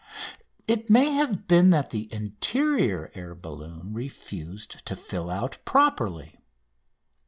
It may have been that the interior air balloon refused to fill out properly.